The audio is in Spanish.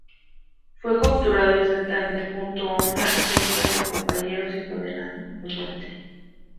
Fue capturado en Santander junto a una treintena de compañeros y condenado a muerte.